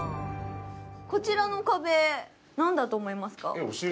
こちらの壁、なんだと思いますか？